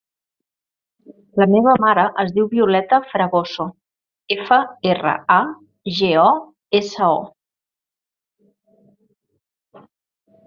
La meva mare es diu Violeta Fragoso: efa, erra, a, ge, o, essa, o.